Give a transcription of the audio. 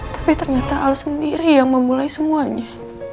tapi ternyata allah sendiri yang memulai semuanya